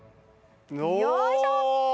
よいしょ！